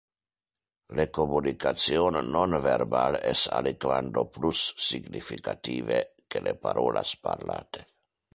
Le communication non verbal es aliquando plus significative que le parolas parlate.